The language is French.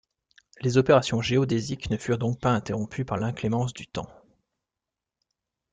Les opérations géodésiques ne furent donc pas interrompues par l’inclémence du temps.